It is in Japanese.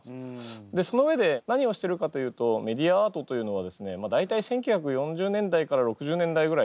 でその上で何をしてるかというとメディアアートというのはですね大体１９４０年代から６０年代ぐらい。